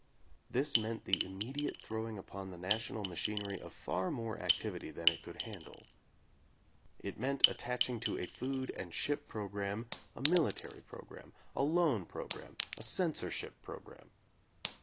This meant the immediate throwing upon the national machinery of far more activity than it could handle. It meant attaching to a food and ship programme a military pro gramme, a loan programme, a censorship pro gramme.